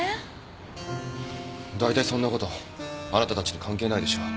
だいたいそんなことあなたたちと関係ないでしょ。